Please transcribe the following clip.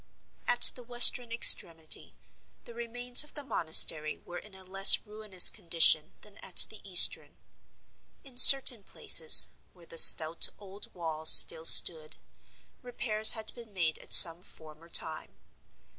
At the western extremity the remains of the monastery were in a less ruinous condition than at the eastern. In certain places, where the stout old walls still stood, repairs had been made at some former time.